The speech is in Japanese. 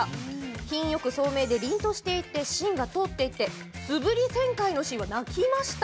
品よくそうめいでりんとしていて芯が通っていて素振り１０００回のシーンは泣きました。